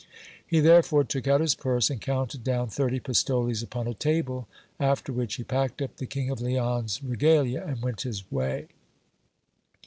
He therefore took out his purse, and counted down thirty pistoles upon a table ; after which he packed up the King of Leon's regalia, and went his way.